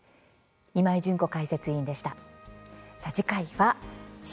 今井純子解説委員でした。